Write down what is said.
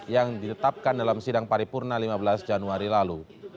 yang ditetapkan dalam sidang paripurna lima belas januari lalu